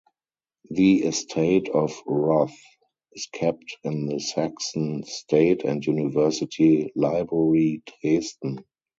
The estate of Roth is kept in the Saxon State and University Library Dresden.